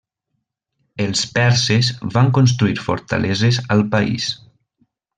Els perses van construir fortaleses al país.